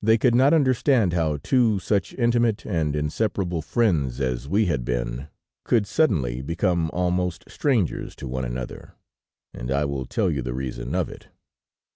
They could not understand how two such intimate and inseparable friends as we had been could suddenly become almost strangers to one another, and I will tell you the reason of it.